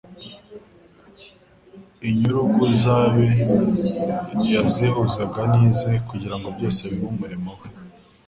Inyurugu z'abe yazihuzaga n'ize kugira ngo byose bibe umurimo we.